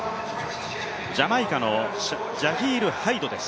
ジャマイカのジャヒール・ハイドです。